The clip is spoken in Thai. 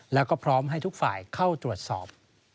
แล้วก็พร้อมให้ทุกฝ่ายเข้าตรวจสอบ